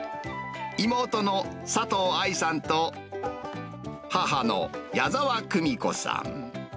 妹の佐藤亜依さんと、母の矢澤久美子さん。